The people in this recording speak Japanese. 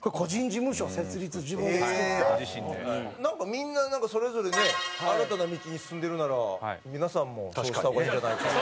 みんなそれぞれね新たな道に進んでるなら皆さんもそうした方がいいんじゃないかと。